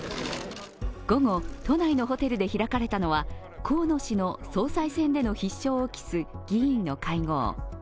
午後、都内のホテルで開かれたのは河野氏の総裁選での必勝を期す議員の会合。